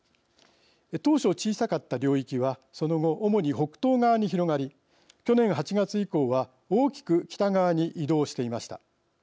当初、小さかった領域がその後、主に北東側に広がり去年８月以降は大きく北側に移動していました。